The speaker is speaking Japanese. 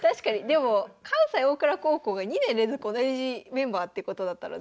でも関西大倉高校が２年連続同じメンバーってことだったので。